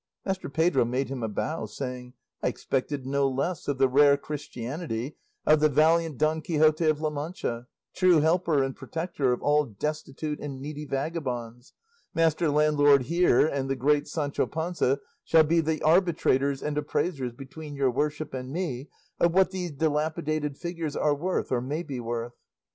Master Pedro made him a bow, saying, "I expected no less of the rare Christianity of the valiant Don Quixote of La Mancha, true helper and protector of all destitute and needy vagabonds; master landlord here and the great Sancho Panza shall be the arbitrators and appraisers between your worship and me of what these dilapidated figures are worth or may be worth."